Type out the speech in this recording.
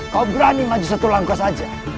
kau berani maju satu langkah saja